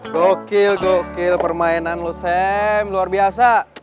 gokil gokil permainan lo sam luar biasa